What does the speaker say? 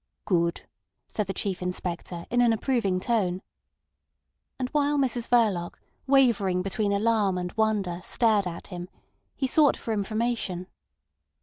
"Good," said the Chief Inspector in an approving tone. And while Mrs Verloc, wavering between alarm and wonder, stared at him, he sought for information.